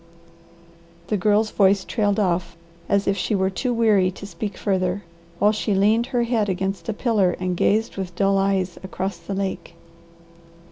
The Girl's voice trailed off as if she were too weary to speak further, while she leaned her head against a pillar and gazed with dull eyes across the lake.